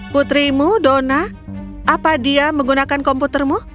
putrimu dona apa dia menggunakan komputermu